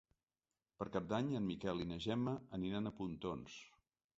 Per Cap d'Any en Miquel i na Gemma aniran a Pontons.